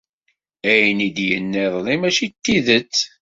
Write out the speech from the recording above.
Ayen i d-yenna iḍelli mačči d tidet.